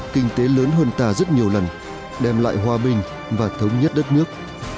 kinh tế lớn hơn ta rất nhiều lần đem lại hòa bình và thống nhất đất nước